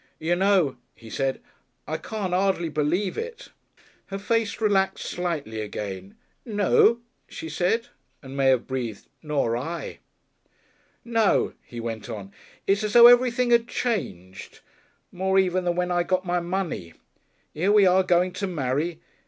"You know," he said, "I can't 'ardly believe it." Her face relaxed slightly again. "No?" she said, and may have breathed, "Nor I." "No," he went on. "It's as though everything 'ad changed. More even than when I got my money. 'Ere we are going to marry.